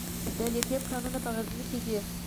د لیتیم کانونه په غزني کې دي